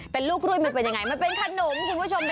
แต่ลูกรุยมันเป็นยังไงมันเป็นขนมคุณผู้ชม